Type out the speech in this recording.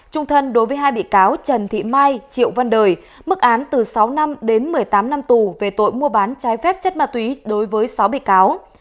trung thân đối với hai bị cáo trần thị mai triệu văn đời mức án từ sáu năm đến một mươi tám năm tù về tội mua bán trái phép chất ma túy đối với sáu bị cáo